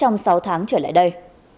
năm sáu tháng trở lại đây